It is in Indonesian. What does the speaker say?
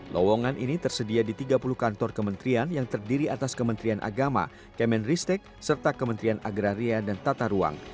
lowongan ini tersedia di tiga puluh kantor kementerian yang terdiri atas kementerian agama kemenristek serta kementerian agraria dan tata ruang